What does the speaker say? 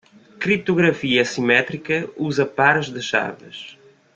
Criptografia assimétrica usa pares de chaves.